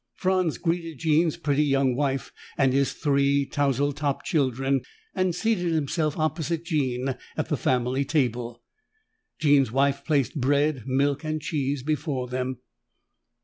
Franz greeted Jean's pretty young wife and his three tousle topped children and seated himself opposite Jean at the family table. Jean's wife placed bread, milk and cheese before them.